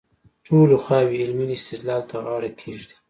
ټولې خواوې علمي استدلال ته غاړه کېږدي.